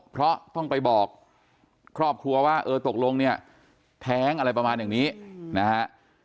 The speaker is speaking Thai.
เพราะต้องไปบอกครอบครัวว่าเออตกลงเนี่ยแท้งอะไรประมาณอย่างนี้นะฮะ